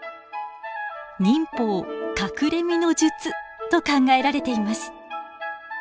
忍法隠れ身の術と考えられています。